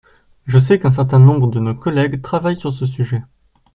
Je sais qu’un certain nombre de nos collègues travaillent sur ce sujet.